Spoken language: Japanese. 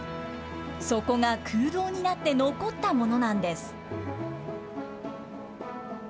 そこが空洞になって残ったものなんです。